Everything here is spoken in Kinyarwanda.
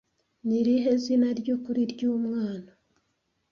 Ni irihe zina ryukuri ryumwana